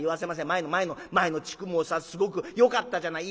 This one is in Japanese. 前の前の前の地区もさすごくよかったじゃない。